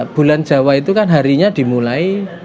bulan jawa itu kan harinya dimulai